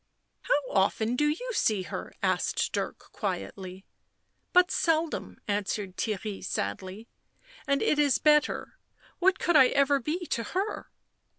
" How often do you see her ?" asked Dirk quietly. " But seldom," answered Theirry sadly. " And it is better — what could I ever be to her?"